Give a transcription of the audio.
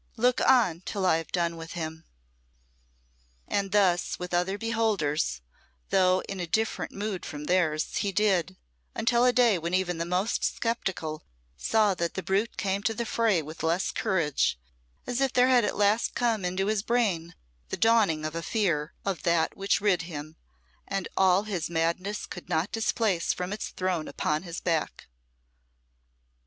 Look on till I have done with him." And thus, with other beholders, though in a different mood from theirs, he did, until a day when even the most sceptical saw that the brute came to the fray with less of courage, as if there had at last come into his brain the dawning of a fear of that which rid him, and all his madness could not displace from its throne upon his back.